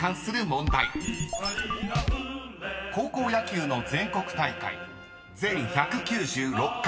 ［高校野球の全国大会全１９６回］